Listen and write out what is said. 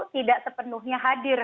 tidak sepenuhnya hadir